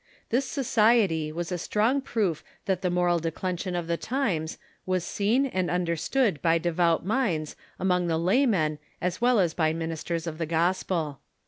This society Avas a strong proof that the moral declension of the times was seen and un derstood by devout minds among the lajnnen as well as by ministers of the Gospel.